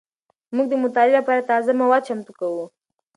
موږ د مطالعې لپاره تازه مواد چمتو کوو.